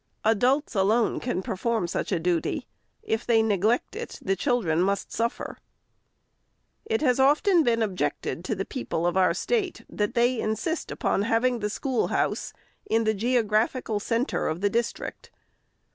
Adults alone can perform such a duty. If they neglect it, the children must suffer. It has been often objected to the people of our State, that they insist upon having the schoolhouse in the geo graphical centre of the district.